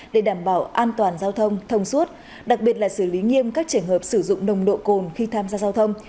để đảm bảo an toàn giao thông thông suốt đặc biệt là xử lý nghiêm các trường hợp sử dụng nồng độ cồn khi tham gia giao thông